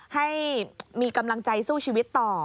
ให้มีกำลังใจสู้ชีวิตต่อ